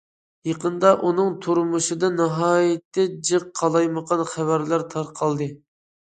يېقىندا ئۇنىڭ تۇرمۇشىدا ناھايىتى جىق قالايمىقان خەۋەرلەر تارقالدى.